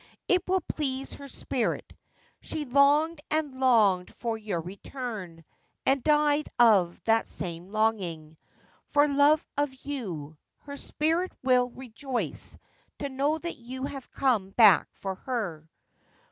It will please her spirit. She longed and longed for your return, and died of that same longing — for love of you. Her spirit will rejoice to know that you have come back for her.'